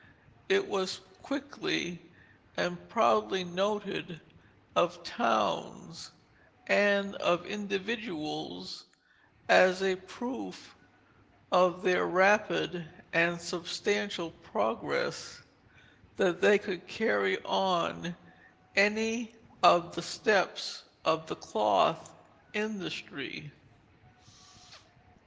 It was quickly and proudly noted of towns and of individuals as a proof of their rapid and substantial progress that they could carry on any of the steps of the cloth industry.